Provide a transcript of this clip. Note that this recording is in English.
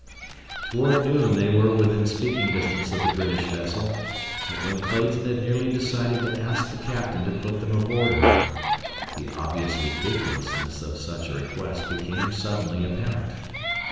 Toward noon they were within speaking distance of the British vessel, but when Clayton had nearly decided to ask the captain to put them aboard her, the obvious ridiculousness of such a request became suddenly apparent.